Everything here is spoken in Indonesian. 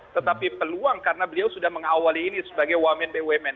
tetapi peluang karena beliau sudah mengawali ini sebagai wamen bumn